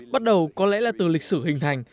bắt đầu có lẽ là từ lịch sử hình thành